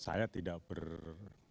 saya tidak berpikir